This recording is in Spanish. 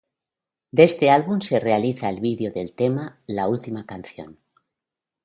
De este álbum se realiza el vídeo del tema "La última canción".